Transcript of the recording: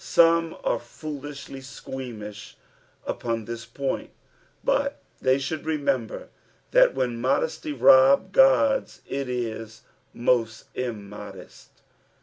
Some are foolisUlj squeamish upoa this point, but they should remember that when modesty loln God it is most immodest.